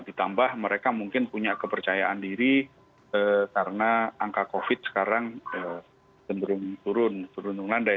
ditambah mereka mungkin punya kepercayaan diri karena angka covid sekarang cenderung turun melandai